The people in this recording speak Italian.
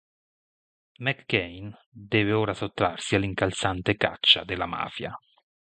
McCain deve ora sottrarsi all'incalzante caccia della mafia.